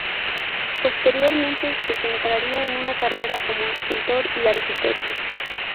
Posteriormente se centraría en su carrera como escultor y arquitecto.